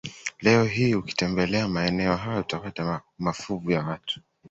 Leo hii ukitembelea maeneo hayo utapata mafuvu ya watu